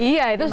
iya itu sih